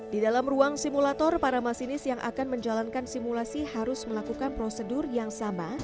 di dalam ruang simulator para masinis yang akan menjalankan simulasi harus melakukan prosedur yang sama